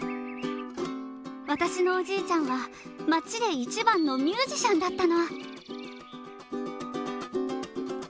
私のおじいちゃんは街で一番のミュージシャンだったの。